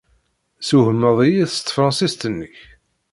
Teswehmed-iyi s tefṛensist-nnek.